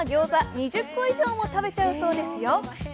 ２０個以上も食べちゃうそうですよ。